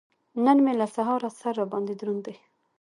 نن مې له سهاره سر را باندې دروند دی.